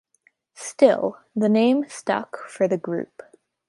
Still, the name stuck for the group.